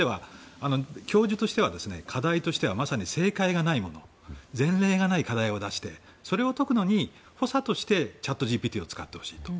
教授としては課題として正解がないものや前例がない課題を出してそれを解くのに、補佐としてチャットＧＰＴを使ってほしいと。